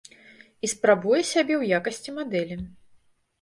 І спрабуе сябе ў якасці мадэлі.